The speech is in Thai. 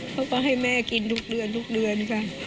เขาก็ให้แม่กินทุกเดือนค่ะ